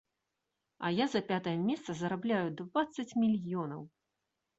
А я за пятае месца зарабляю дваццаць мільёнаў.